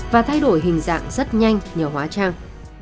và thay đổi hình dạng rất nhanh nhờ hóa trang